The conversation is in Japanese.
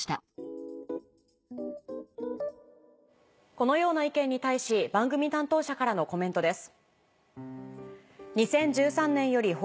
このような意見に対し番組担当者からのコメントです。